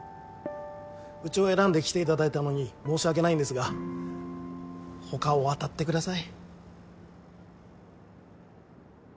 うちを選んで来ていただいたのに申し訳ないんですが他を当たってください